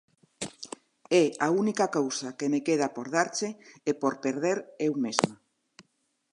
É a única cousa que me queda por darche e por perder eu mesma.